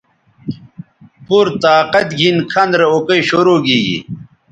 پورطاقت گھن کھن رے اوکئ شرو گیگی